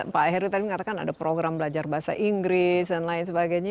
pak heru tadi mengatakan ada program belajar bahasa inggris dan lain sebagainya